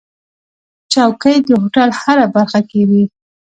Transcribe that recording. چوکۍ د هوټل هره برخه کې وي.